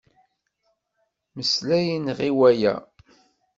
Mmeslayen ɣe waya.